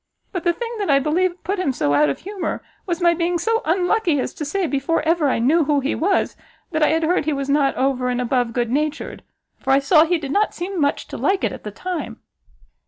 But the thing that I believe put him so out of humour, was my being so unlucky as to say, before ever I knew who he was, that I had heard he was not over and above good natured; for I saw he did not seem much to like it at the time."